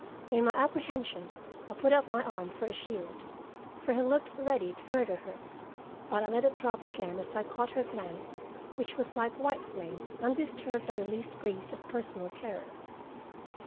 In my apprehension I put up my arm for a shield, for he looked ready to murder her, but I let it drop again as l caught her glance which was like white flame undisturbed by the least breeze of personal terror.